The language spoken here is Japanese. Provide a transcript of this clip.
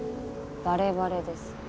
バレバレです。